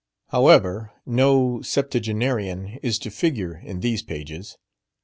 However, no septuagenarian is to figure in these pages.